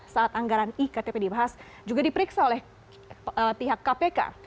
saat anggaran iktp dibahas juga diperiksa oleh pihak kpk